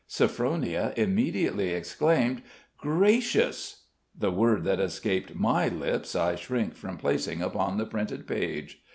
Sophronia immediately exclaimed: "Gracious!" The word that escaped my lips, I shrink from placing upon the printed page.